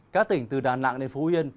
các tỉnh từ đà nẵng đến phú yên